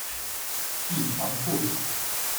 异常处理